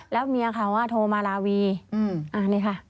แล้วเมียเขาว่าโทรมาราวีอันนี้ค่ะ